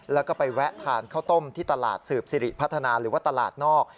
แล้วก็ไปแวะทานข้าวต้มที่ตลาดสืบสิริพัฒนาหรือว่าตลาดนอก